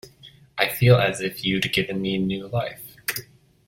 I feel as if you’d given me new life.